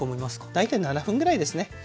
大体７分ぐらいですね。